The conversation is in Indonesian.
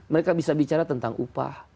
mereka bisa bicara tentang upah